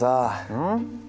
うん？